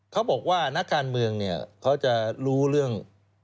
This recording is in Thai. เขาบอกว่านาการเมืองเขาจะรู้เรื่อง